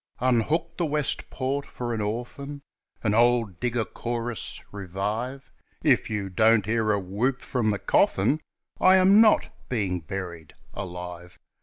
"Unhook the West Port" for an orphan, An old digger chorus revive If you don't hear a whoop from the coffin, I am not being buried alive.